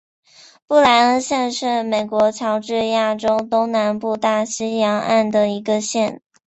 布赖恩县是美国乔治亚州东南部大西洋岸的一个县。